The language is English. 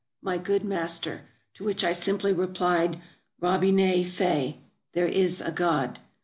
" (My Good Master.) To which I simply replied, " Robine fe! "(There is a God.)